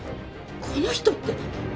この人って。